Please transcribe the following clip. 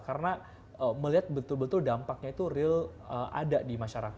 karena melihat betul betul dampaknya itu real ada di masyarakat